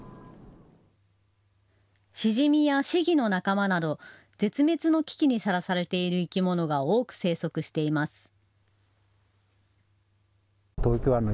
シジミやシギの仲間など絶滅の危機にさらされている生き物が多く生息しています。